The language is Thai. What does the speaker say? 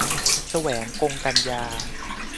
แสวง กงกันยา